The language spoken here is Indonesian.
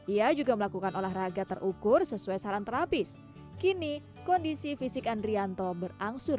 ia juga melakukan olahraga terukur sesuai saran terapis kini kondisi fisik andrianto berangsur